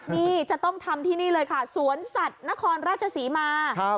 นี่จะต้องทำที่นี่เลยค่ะสวนสัตว์นครราชศรีมา